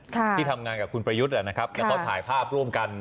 ที่ทำงานกับคุณประยุทธ์นะครับแล้วก็ถ่ายภาพร่วมกัน